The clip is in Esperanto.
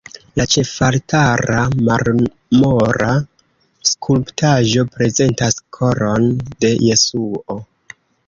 La ĉefaltara marmora skulptaĵo prezentas Koron de Jesuo.